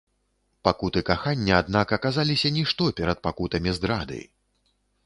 Пакуты кахання, аднак, аказаліся нішто перад пакутамі здрады.